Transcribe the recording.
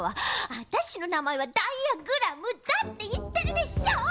あたしのなまえはダイヤグラムだっていってるでしょ！